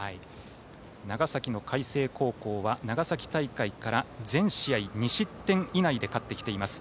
長崎の海星高校は長崎大会から全試合２失点以内で勝ってきています。